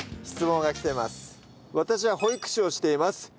質問が来てます。